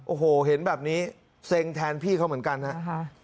โอ้โหเห็นแบบนี้เซ็งแทนพี่เขาเหมือนกันฮะ